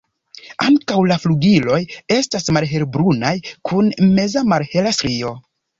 Ankaŭ la flugiloj estas malhelbrunaj kun meza malhela strio.